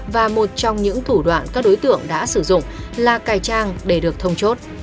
và một trong những thủ đoạn các đối tượng đã sử dụng là cài trang để được thông chốt